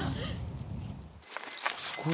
すごい。